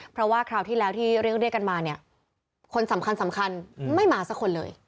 เพราะว่าคราวที่แล้วที่เรียกได้กันมาคนสำคัญไม่มาสักคนเลย